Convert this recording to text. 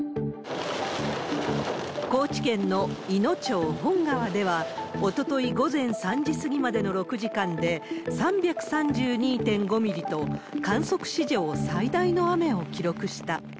高知県のいの町本川では、おととい午前３時過ぎまでの６時間で３３２．５ミリと、観測史上最大の雨を記録した。